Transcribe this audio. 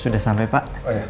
sudah sampai pak